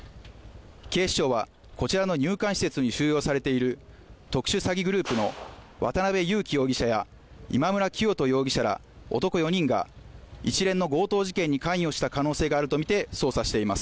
警視庁は、こちらの入管施設に収容されている特殊詐欺グループの渡辺優樹容疑者や今村磨人容疑者ら男４人が一連の強盗事件に関与した可能性があるとみて捜査しています。